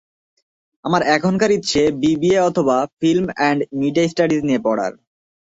আমার এখনকার ইচ্ছে বিবিএ অথব ফিল্ম অ্যান্ড মিডিয়া স্ট্যাডিজ নিয়ে পড়ার।